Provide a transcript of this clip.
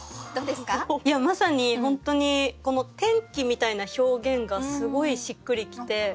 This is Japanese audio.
いやまさに本当にこの天気みたいな表現がすごいしっくりきて。